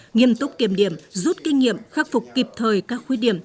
nghiêm túc kiểm điểm rút kinh nghiệm khắc phục kịp thời các khuyết điểm